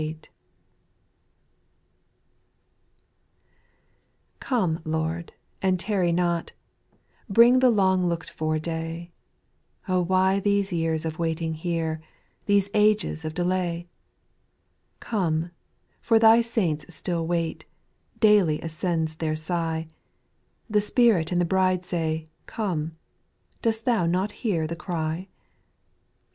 /^OME Lord, and tarry not : \j Bring the long looked for day ; O why these years of waiting here, These ages of delay ? 2. Come, for Thy saints still wait ; Daily ascends their sigh : The Spirit and the Ijride say, Come, — Dost Thou not hear the cry